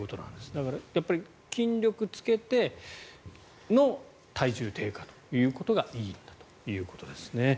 だから、筋力つけての体重低下ということがいいということですね。